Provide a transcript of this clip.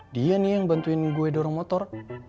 dia nih yang bantuin gue dorong motor